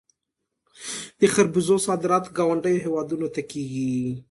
د خربوزو صادرات ګاونډیو هیوادونو ته کیږي.